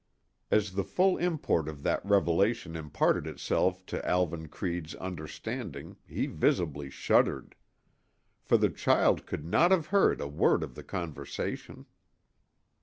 As the full import of that revelation imparted itself to Alvan Creede's understanding he visibly shuddered. For the child could not have heard a word of the conversation.